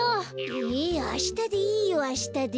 えあしたでいいよあしたで。